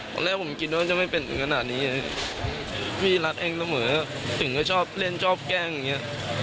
ตอนแรกผมคิดว่าจะไม่เป็นถึงขนาดนี้พี่รัดเองเสมอถึงก็ชอบเล่นชอบแกล้งอย่างเงี้ย